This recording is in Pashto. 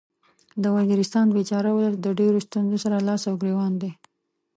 د وزیرستان بیچاره ولس د ډیرو ستونځو سره لاس او ګریوان دی